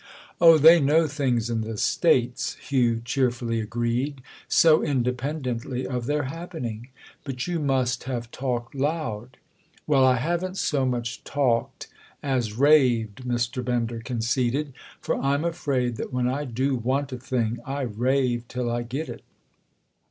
"Oh, they know things in the States," Hugh cheerfully agreed, "so independently of their happening! But you must have talked loud." "Well, I haven't so much talked as raved," Mr. Bender conceded—"for I'm afraid that when I do want a thing I rave till I get it.